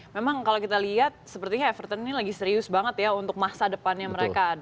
memang kalau kita lihat sepertinya everton ini lagi serius banget ya untuk masa depannya mereka